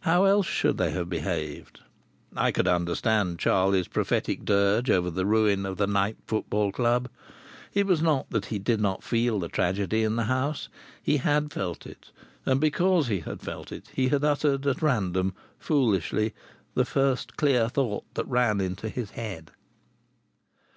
How else should they have behaved? I could understand Charlie's prophetic dirge over the ruin of the Knype Football Club. It was not that he did not feel the tragedy in the house. He had felt it, and because he had felt it he had uttered at random, foolishly, the first clear thought that ran into his head.